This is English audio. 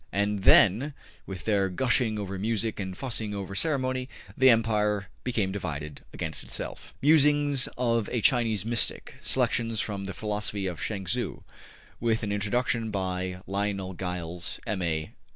And then, with their gushing over music and fussing over ceremony, the empire became divided against itself. ``Musings of a Chinese Mystic.'' Selections from the Philosophy of Chuang Tzu. With an Introduction by Lionel Giles, M.A.